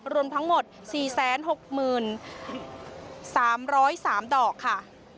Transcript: รวมทั้งหมด๔๖๓๐๓ดอกค่ะ